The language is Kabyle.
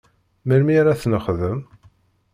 Melmi ara ad t-nexdem?